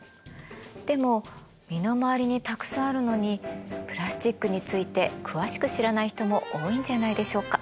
でも身の回りにたくさんあるのにプラスチックについて詳しく知らない人も多いんじゃないでしょうか？